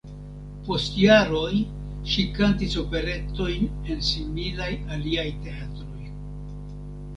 Post jaroj ŝi kantis operetojn en similaj aliaj teatroj.